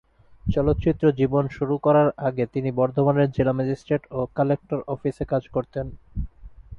চলচ্চিত্র জীবন শুরু করার আগে, তিনি বর্ধমানের জেলা ম্যাজিস্ট্রেট ও কালেক্টর অফিসে কাজ করেছেন।